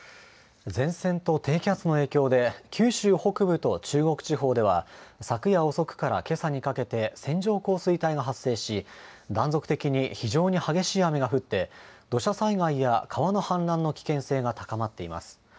前線と低気圧の影響で、九州北部と中国地方では、昨夜遅くからけさにかけて線状降水帯が発生し、断続的に非常に激しい雨が降って、土砂災害や川の氾濫の危険性が高まっています。